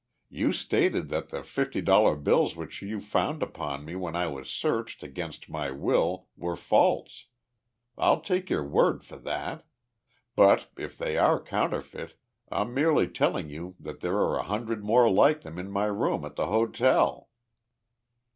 "You stated that the fifty dollar bills which you found upon me when I was searched against my will were false. I'll take your word for that. But if they are counterfeit, I'm merely telling you that there are a hundred more like them in my room at the hotel."